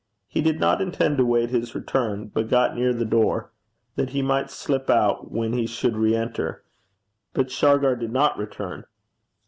He did not intend to wait his return, but got near the door, that he might slip out when he should re enter. But Shargar did not return.